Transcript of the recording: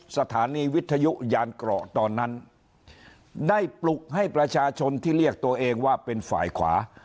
สถานีวิทยุยานเกราะตอนนั้นได้ปลุกให้ประชาชนที่เรียกตัวเองว่าเป็นฝ่ายขวา